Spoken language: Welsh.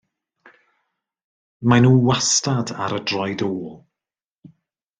Mae nhw wastad ar y droed ôl.